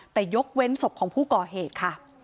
แต่ยกเว้นศพของผู้ก่อเหตุค่ะ